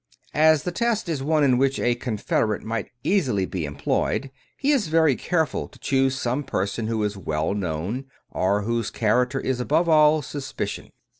As the test is one in which a confederate might easily be employed, he is very careful to choose some person who is well known, or whose character is above all suspicion.